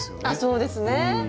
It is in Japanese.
あっそうですね。